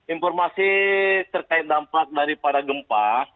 informasi terkait dampak daripada gempa